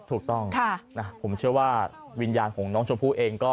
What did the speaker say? ถูกต้องผมเชื่อว่าวิญญาณของน้องชมพู่เองก็